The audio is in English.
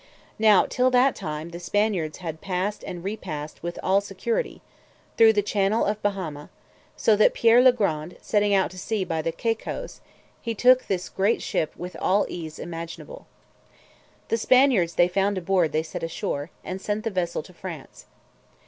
Now till that time the Spaniards had passed and repassed with all security, through the channel of Bahama; so that Pierre le Grand setting out to sea by the Caycos, he took this great ship with all the ease imaginable. The Spaniards they found aboard they set ashore, and sent the vessel to France.